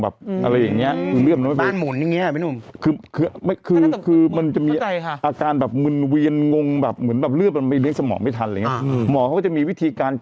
เพราะพี่เคยไปหามาพี่เคยมีอาการ